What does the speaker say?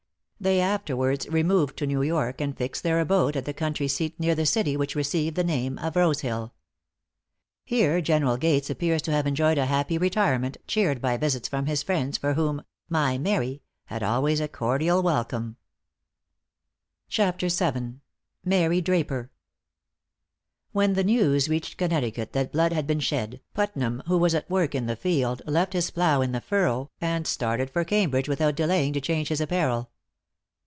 They afterwards removed to New York, and fixed their abode at the country seat near the city which received the name of Rosehill. Here General Gates appears to have enjoyed a happy retirement, cheered by visits from his friends, for whom "my Mary" had always a cordial welcome. VII. MARY DRAPER. |When the news reached Connecticut that blood had been shed, Putnam, who was at work in the field, left his plow in the furrow, and started for Cambridge without delaying to change his apparel.